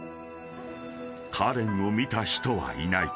［カレンを見た人はいないか？］